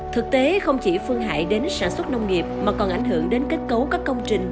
thực tế không chỉ phương hại đến sản xuất nông nghiệp mà còn ảnh hưởng đến kết cấu các công trình